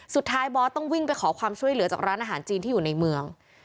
สุดท้ายบอสต้องวิ่งไปขอความช่วยเหลือจากร้านอาหารจีนที่อยู่ในเมือง